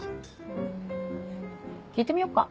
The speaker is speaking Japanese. うん聞いてみよっか。